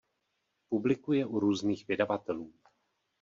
Publikuje u různých vydavatelů.